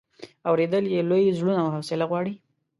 اورېدل یې لوی زړونه او حوصله غواړي.